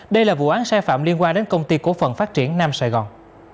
đây là vụ án sai phạm liên quan đến công ty cổ phần phát triển nam sài gòn